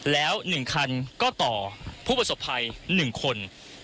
แล้ว๑คันก็ต่อผู้ประสบภัย๑คน